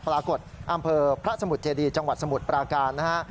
อำเภอพระสมุทรเจดีจังหวัดสมุทรปราการนะฮะ